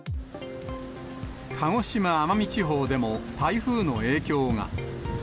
鹿児島・奄美地方でも台風の影響が。